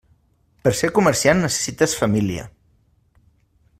Per a ser comerciant necessites família.